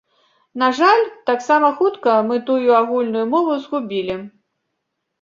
На жаль, таксама хутка мы тую агульную мову згубілі.